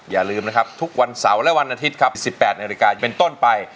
อย่าลืมนะครับทุกวันเสาร์และวันอาทิตย์ครับ๑๘นาฬิกาเป็นต้นไป